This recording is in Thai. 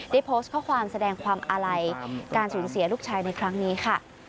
ได้โพสต์ข้อความแสดงความอาลัยการสูญเสียลูกชายในครั้งนี้ค่ะ